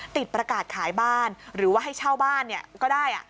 ติดประกาศขายบ้านหรือว่าให้เช่าบ้านก็ได้